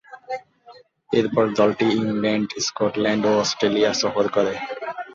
এরপর দলটি England, Scotland ও অস্ট্রেলিয়া সফর করে।